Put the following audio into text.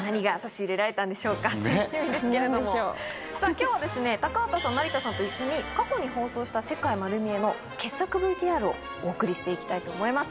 今日は高畑さん成田さんと一緒に過去に放送した『世界まる見え！』の傑作ＶＴＲをお送りして行きたいと思います。